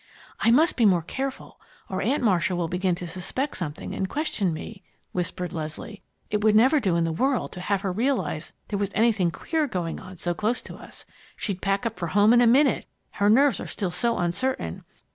"I must be more careful, or Aunt Marcia will begin to suspect something and question me," whispered Leslie. "It would never do in the world to have her realize there was anything queer going on so close to us. She'd pack up for home in a minute, her nerves are still so uncertain.